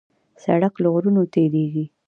سړک له غرونو تېرېږي.